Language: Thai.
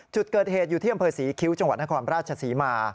จุดเกิดเหตุอยู่เที่ยมเผยสีคิวจังหวัดนครพระราชสีมา